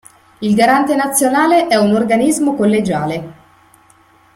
Il Garante nazionale è un organismo collegiale.